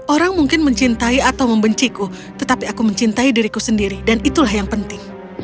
orang mungkin mencintai atau membenciku tetapi aku mencintai diriku sendiri dan itulah yang penting